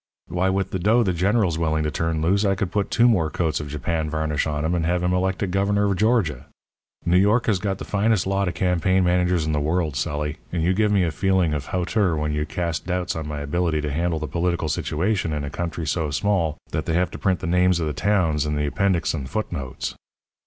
Why, with the dough the General's willing to turn loose I could put two more coats of Japan varnish on him and have him elected Governor of Georgia. New York has got the finest lot of campaign managers in the world, Sully, and you give me a feeling of hauteur when you cast doubts on my ability to handle the political situation in a country so small that they have to print the names of the towns in the appendix and footnotes.'